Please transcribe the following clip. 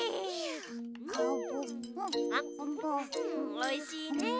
おいしいね！